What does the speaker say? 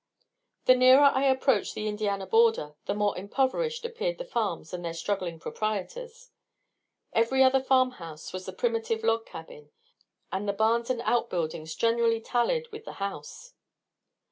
The nearer I approached the Indiana border, the more impoverished appeared the farms and their struggling proprietors. Every other farm house was the primitive log cabin, and the barns and outbuildings generally tallied with the house.